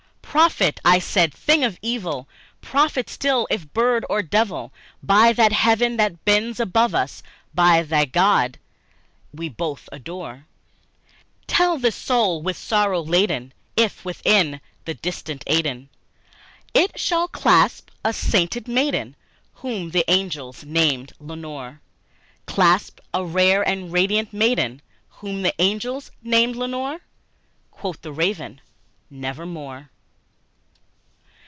"Prophet," said I, "thing of evil! prophet still if bird or devil! By that heaven that bends above us by that God we both adore Tell this soul, with sorrow laden, if, within the distant Aiden It shall clasp a sainted maiden, whom the angels name Lenore! Clasp a rare and radiant maiden, whom the angels name Lenore?" Quoth the Raven, "Nevermore."